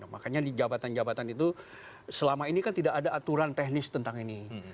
makanya di jabatan jabatan itu selama ini kan tidak ada aturan teknis tentang ini